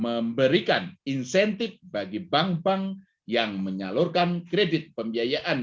memberikan insentif bagi bank bank yang menyalurkan kredit pembiayaan